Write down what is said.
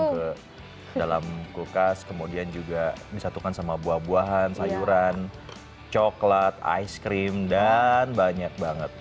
masuk ke dalam kulkas kemudian juga disatukan sama buah buahan sayuran coklat ice cream dan banyak banget